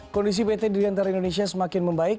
kondisi pt dirgantara indonesia semakin membaik